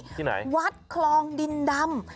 ที่ไหนวัดคลองดินดำ